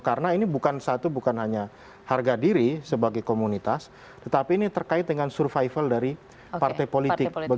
karena ini bukan satu bukan hanya harga diri sebagai komunitas tetapi ini terkait dengan survival dari parte parte